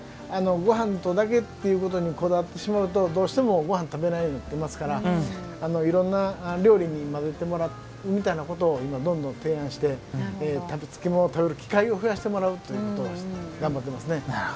ごはんとだけっていうことにこだわってしまうとどうしても、ごはん食べないって言いますからいろんな料理に混ぜてもらうことを提案して漬物を食べる機会を増やしてもらうということを頑張ってますね。